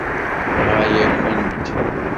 Ɣaya-kent.